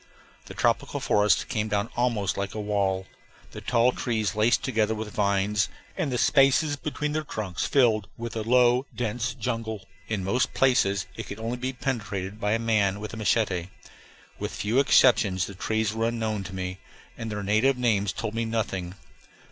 The tropical forest came down almost like a wall, the tall trees laced together with vines, and the spaces between their trunks filled with a low, dense jungle. In most places it could only be penetrated by a man with a machete. With few exceptions the trees were unknown to me, and their native names told me nothing.